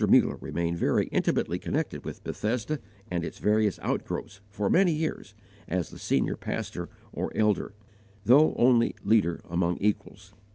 Muller remained very intimately connected with Bethesda and its various outgrowths, for many years, as the senior pastor, or elder, though only primus inter pares, i.e., leader among equals.